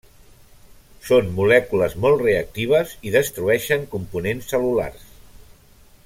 Són molècules molt reactives i destrueixen components cel·lulars.